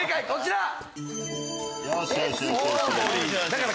こちら。